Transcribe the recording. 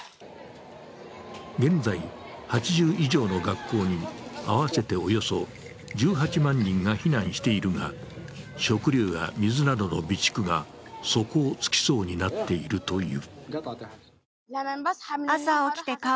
現在、８０以上の学校に合わせておよそ１８万人が避難しているが食料や水などの備蓄が底をつきそうになっているという。